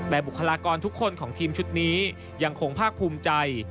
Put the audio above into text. แต่บุคลากรทุกคนของทีมชุดนี้ยังคงภาคภูมิใจ